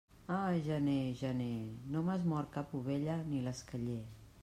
Ah, gener, gener, no m'has mort cap ovella ni l'esqueller.